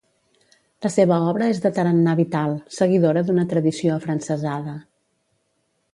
La seva obra és de tarannà vital, seguidora d'una tradició afrancesada.